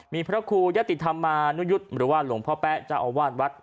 มีพระครูยะติธรรมานุยุทธ์หรือว่าหลวงพ่อแป๊ะเจ้าอาวาสวัด